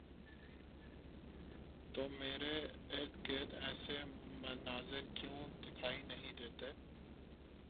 تو میرے ارد گرد ایسے مناظر کیوں دکھائی نہیں دیتے؟